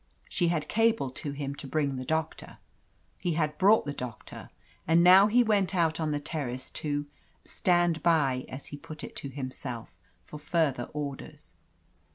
She had cabled to him to bring the doctor. He had brought the doctor, and now he went out on the terrace to "stand by," as he put it to himself, for further orders.